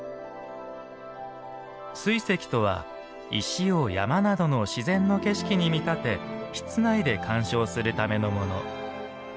水石とは、石を山などの自然の景色に見立て室内で観賞するためのもの。